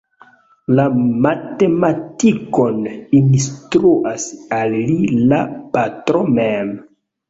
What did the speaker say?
La matematikon instruas al li la patro mem.